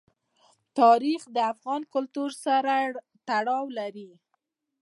تاریخ د افغان کلتور سره تړاو لري.